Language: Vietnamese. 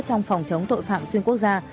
trong phòng chống tội phạm xuyên quốc gia